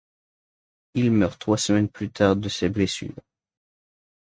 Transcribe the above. Il meurt trois semaines plus tard de ses blessures.